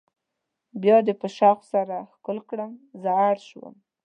بیا دې په شوق سره ښکل کړم زه اړ شوم.